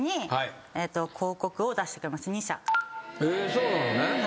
そうなのね。